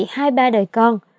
hai ba đời con